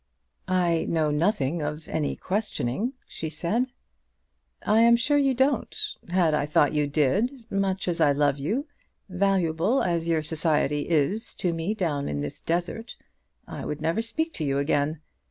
"I know nothing of any questioning," she said. "I am sure you don't. Had I thought you did, much as I love you, valuable as your society is to me down in this desert, I would never speak to you again.